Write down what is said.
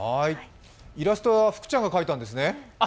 イラストは福ちゃんが描いたんですね？